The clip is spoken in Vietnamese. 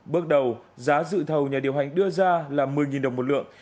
bước đầu giá dự thầu nhà điều hành đưa ra là một mươi đồng một lượng